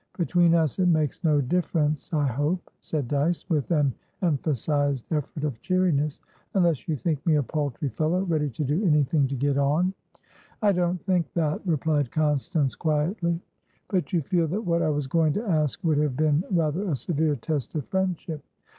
"Between us, it makes no difference, I hope?" said Dyce, with an emphasised effort of cheeriness. "Unless you think me a paltry fellow, ready to do anything to get on?" "I don't think that," replied Constance, quietly. "But you feel that what I was going to ask would have been rather a severe test of friendship?"